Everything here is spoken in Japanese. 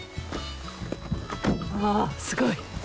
あすごい！